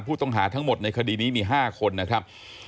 ผู้ต้องหาทั้งหมดในคดีนี้มี๕คนนะครับ